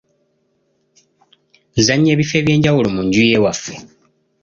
Nzannya ebifo eby'enjawulo mu nju y’ewaffe.